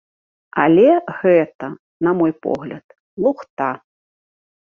Але гэта, на мой погляд, лухта!